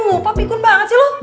ngopo pikun banget sih lu